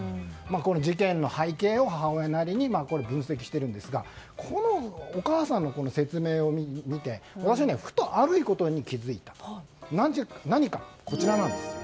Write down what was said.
この事件の背景を母親なりに分析しているんですがこのお母さんの説明を見て私、ふとあることに気づいたんです。